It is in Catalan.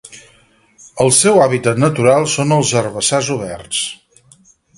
El seu hàbitat natural són els herbassars oberts.